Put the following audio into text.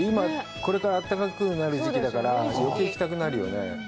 これから暖かくなる時期だから、余計行きたくなるよね。